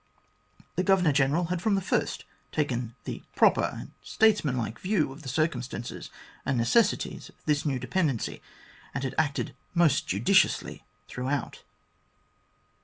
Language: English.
The Governor General had from the first taken the proper and statesmanlike view of the circumstances and necessities of this new dependency, and had acted most judiciously throughout.